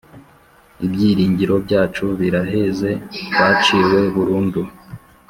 ibyiringiro byacu biraheze twaciwe burundu